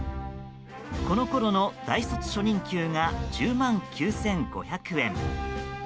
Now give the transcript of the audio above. このころの大卒初任給が１０万９５００円。